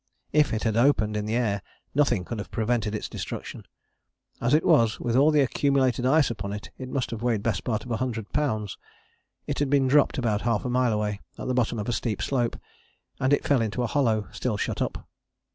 If it had opened in the air nothing could have prevented its destruction. As it was, with all the accumulated ice upon it, it must have weighed the best part of 100 lbs. It had been dropped about half a mile away, at the bottom of a steep slope: and it fell in a hollow, still shut up.